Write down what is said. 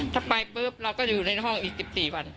ถ้าไปปุ๊บเราก็จะอยู่ในห้องอีก๑๔วัน